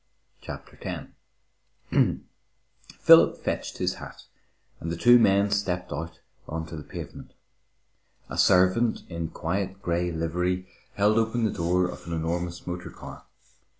CHAPTER X Philip fetched his hat, and the two men stepped out on to the pavement. A servant in quiet grey livery held open the door of an enormous motor car.